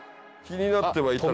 気になっては。